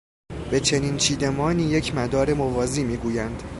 به چنین چیدمانی، یک مدار موازی میگویند